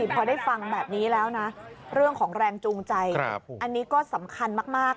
พอได้ฟังแบบนี้แล้วนะเรื่องของแรงจูงใจอันนี้ก็สำคัญมาก